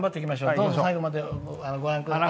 どうぞ最後までご覧ください。